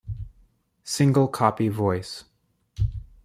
Single copy voice.